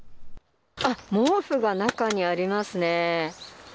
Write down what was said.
あっ、毛布が中にありますね。